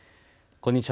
こんにちは。